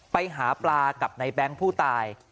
ไปหาปลากับในแบงค์ผู้ตาย